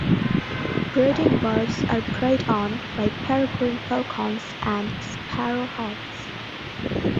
Breeding birds are preyed on by peregrine falcons and sparrowhawks.